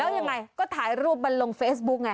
แล้วยังไงก็ถ่ายรูปมันลงเฟซบุ๊กไง